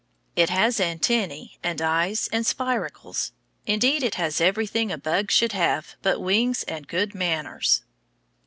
It has antennæ and eyes and spiracles; indeed, it has everything a bug should have but wings and good manners.